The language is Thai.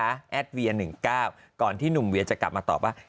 แอดเวีย๑๙ก่อนที่หนุ่มเวียจะกลับมาตอบว่า